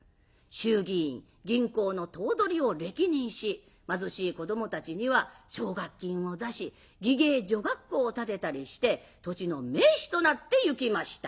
衆議院銀行の頭取を歴任し貧しい子どもたちには奨学金を出し技芸女学校を建てたりして土地の名士となってゆきました。